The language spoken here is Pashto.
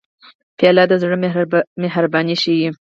پیاله د زړه مهرباني ښيي.